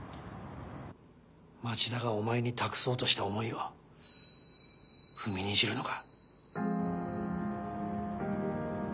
町田がお前に託そうとした思いを踏みにじるのか？